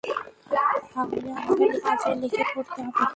তাহলে, আমাদের কাজে লেগে পড়তে হবে।